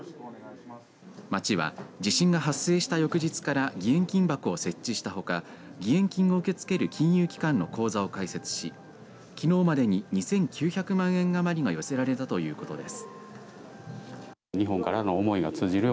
町は地震が発生した翌日から義援金箱を設置したほか義援金を受け付ける金融機関の口座を開設しきのうまでに２９００万円余りが寄せられたということです。